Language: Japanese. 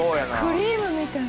クリームみたい。